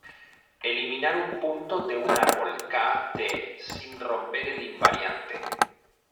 Eliminar un punto de un árbol "k"d sin romper el invariante.